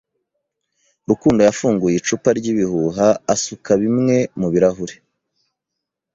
Rukundo yafunguye icupa ryibihuha asuka bimwe mubirahure.